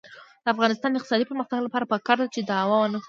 د افغانستان د اقتصادي پرمختګ لپاره پکار ده چې دعوه ونکړو.